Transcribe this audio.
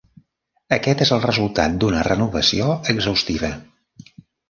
Aquest és el resultat d"una renovació exhaustiva.